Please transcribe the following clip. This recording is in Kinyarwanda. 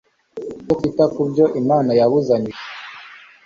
cyo kutita ku byo Imana yabuzanyije